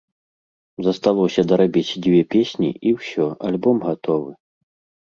Засталося дарабіць дзве песні, і ўсё, альбом гатовы!